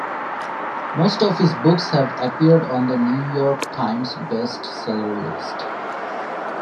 Most of his books have appeared on the "New York Times" Best Seller List.